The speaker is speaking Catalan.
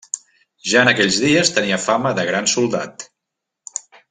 Ja en aquells dies tenia fama de gran soldat.